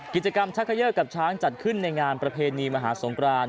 กิจกรรมชักเขย่อกับช้างจัดขึ้นในงานประเพณีมหาสงคราน